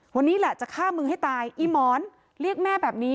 วันนี้แหละจะฆ่ามึงให้ตายอีหมอนเรียกแม่แบบนี้